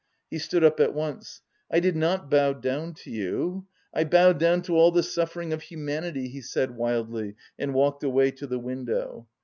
He stood up at once. "I did not bow down to you, I bowed down to all the suffering of humanity," he said wildly and walked away to the window.